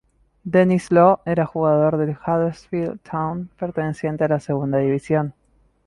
Denis Law era jugador del Huddersfield Town perteneciente a la segunda división.